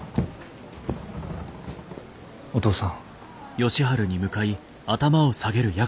お父さん。